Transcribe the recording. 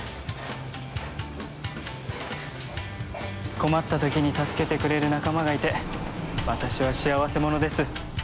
困ったときに助けてくれる仲間がいて私は幸せ者です。